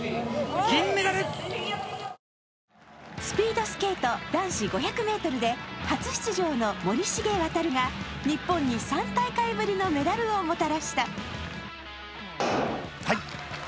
スピードスケート男子５００ｍで初出場の森重航が日本に３大会ぶりのメダルをもたらした。